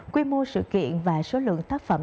quy mô sự kiện và số lượng tác phẩm